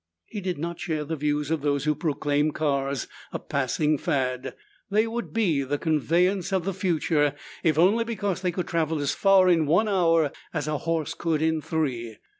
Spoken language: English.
He did not share the views of those who proclaimed cars a passing fad. They would be the conveyance of the future if only because they could travel as far in one hour as a horse could in three.